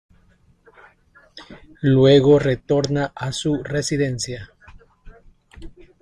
Luego retorna a su residencia.